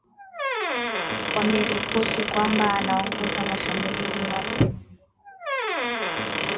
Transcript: vimeripoti kwamba anaongoza mashambulizi mapya